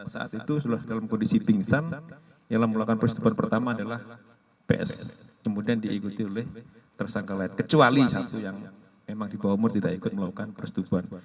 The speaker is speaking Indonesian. saat itu sudah dalam kondisi pingsan yang melakukan persetubuhan pertama adalah ps kemudian diikuti oleh tersangka lain kecuali satu yang memang di bawah umur tidak ikut melakukan persetubuhan